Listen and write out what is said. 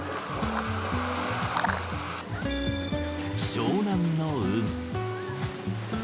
湘南の海。